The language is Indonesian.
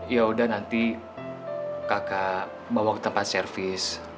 ya udah nanti kakak bawa ke tempat servis